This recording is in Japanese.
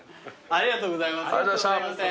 ありがとうございます。